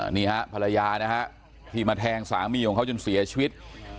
นี่ฮะภรรยานะฮะที่มาแทงสามีของเขาจนเสียชีวิต